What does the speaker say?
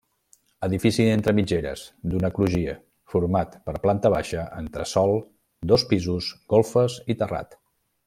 Edifici entre mitgeres, d'una crugia, format per planta baixa, entresòl, dos pisos, golfes i terrat.